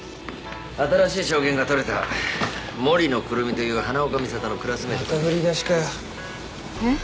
新しい証言が取れた森野くるみという花岡美里のクラスメートだまた振り出しかよえっ？